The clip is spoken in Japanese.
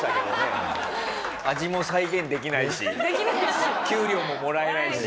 味も再現できないし給料ももらえないし。